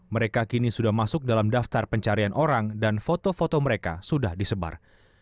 mereka kini sudah masuk dalam daftar pencarian orang dan foto foto mereka sudah disebar